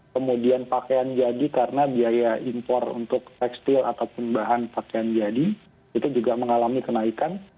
kemudian pakaian jadi karena biaya impor untuk tekstil ataupun bahan pakaian jadi itu juga mengalami kenaikan